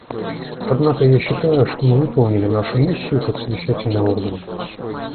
Однако я считаю, что мы выполнили нашу миссию как совещательный орган.